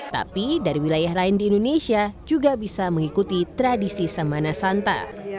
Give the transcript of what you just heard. tapi dari wilayah lain di indonesia juga bisa mengikuti tradisi samana santa